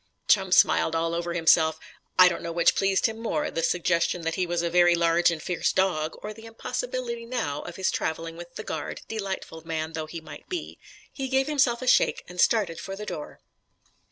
Chum smiled all over himself. I don't know which pleased him more the suggestion that he was a very large and fierce dog, or the impossibility now of his travelling with the guard, delightful man though he might be. He gave himself a shake and started for the door.